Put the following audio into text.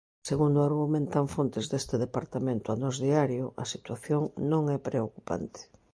Segundo argumentan fontes deste departamento a Nós Diario, a situación "non é preocupante".